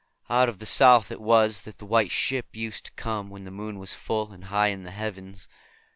Out of the South it was that the White Ship used to come when the moon was full and high in the heavens.